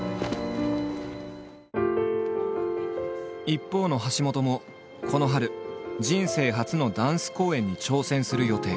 一方の橋本もこの春人生初のダンス公演に挑戦する予定。